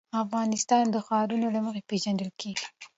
افغانستان د ښارونه له مخې پېژندل کېږي.